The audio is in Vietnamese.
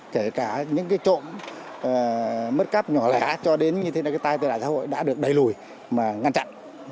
kể cả những cái trộm mất cấp nhỏ lẻ cho đến như thế này cái tai tên là xã hội đã được đẩy lùi mà ngăn chặn